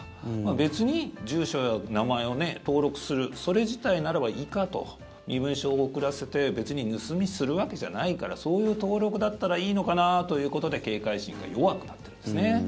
別に、住所や名前を登録するそれ自体ならばいいかと身分証を送らせて別に盗みするわけじゃないからそういう登録だったらいいのかなということで警戒心が弱くなってるんですね。